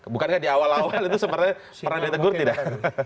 bukankah di awal awal itu sepertinya pernah ditegur tidak